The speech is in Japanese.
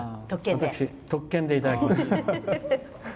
私、特権でいただきました。